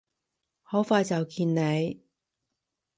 好快就見你！